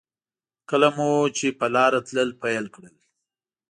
کله مو چې په لاره تلل پیل کړل.